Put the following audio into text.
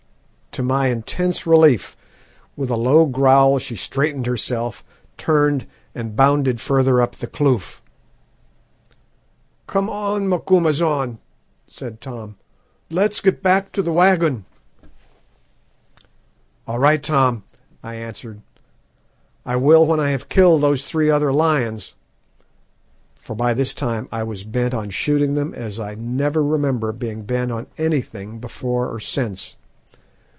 "To my intense relief, with a low growl she straightened herself, turned, and bounded further up the kloof. "'Come on, Macumazahn,' said Tom, 'let's get back to the waggon.' "'All right, Tom,' I answered. 'I will when I have killed those three other lions,' for by this time I was bent on shooting them as I never remember being bent on anything before or since.